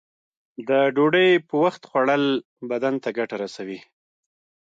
د ډوډۍ په وخت خوړل بدن ته ګټه رسوی.